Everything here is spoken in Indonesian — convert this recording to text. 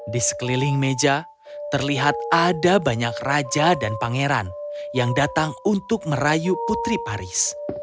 di sekeliling meja terlihat ada banyak raja dan pangeran yang datang untuk merayu putri paris